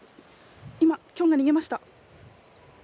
今、キョンが逃げました。